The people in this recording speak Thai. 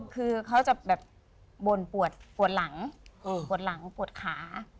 คือเค้าจะโบนปวดหลังปวดขา